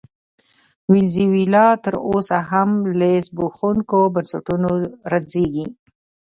وینزویلا تر اوسه هم له زبېښونکو بنسټونو رنځېږي.